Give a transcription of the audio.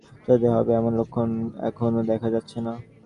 অর্থনীতি গোল্লায় গেলেও তাদের চৈতন্যোদয় হবে, এমন লক্ষণ এখনো দেখা যাচ্ছে না।